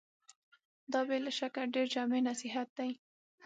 دا بې له شکه ډېر جامع نصيحت دی.